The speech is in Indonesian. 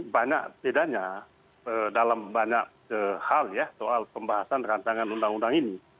banyak bedanya dalam banyak hal ya soal pembahasan rancangan undang undang ini